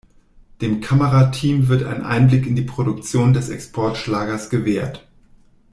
Dem Kamerateam wird ein Einblick in die Produktion des Exportschlagers gewährt.